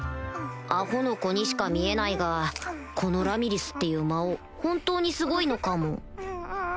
アホの子にしか見えないがこのラミリスっていう魔王本当にすごいのかも